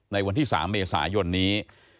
ในวันที่๓เมษายนนี้